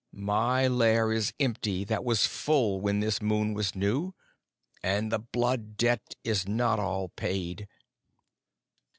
My lair is empty that was full when this moon was new, and the Blood Debt is not all paid."